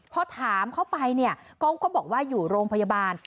พอถามเขาไปก็บอกว่าอยู่โรงพยาบาล